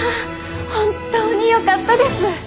本当によかったです。